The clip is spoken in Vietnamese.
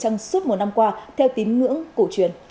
một năm qua theo tín ngưỡng cụ truyền